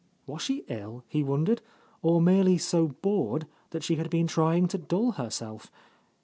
Was she ill, he wondered, or merely so bored that she had been trying to dull herself?